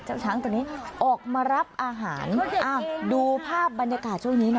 ช้างตัวนี้ออกมารับอาหารอ้าวดูภาพบรรยากาศช่วงนี้หน่อย